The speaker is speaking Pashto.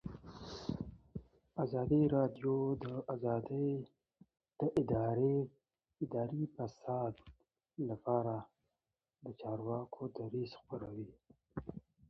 ازادي راډیو د اداري فساد لپاره د چارواکو دریځ خپور کړی.